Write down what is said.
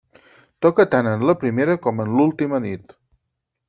Toca tant en la primera com en l'última nit.